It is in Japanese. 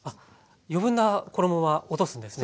余分な衣は落とすんですね。